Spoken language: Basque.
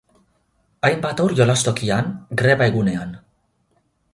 Hainbat haur jolastokian, greba egunean.